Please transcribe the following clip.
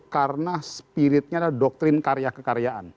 karena spiritnya adalah doktrin karya kekaryaan